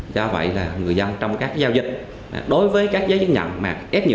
do vậy là người dân trong các giao dịch đối với các giấy nhận mà ép nhựa